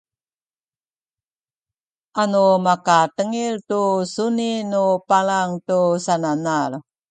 anu makatengil tu suni nu palang tu sananal